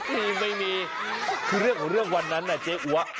ไม่มีคือเรื่องของเรื่องวันนั้นน่ะเจ๊อัว